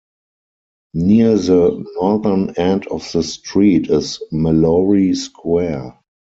Near the northern end of the street is Mallory Square.